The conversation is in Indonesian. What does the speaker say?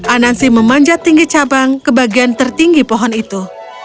anansi memanjat tinggi cabang ke bagian tertinggi pohon itu